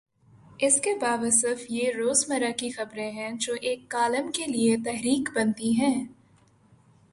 اس کے باوصف یہ روز مرہ کی خبریں ہیں جو ایک کالم کے لیے تحریک بنتی ہیں۔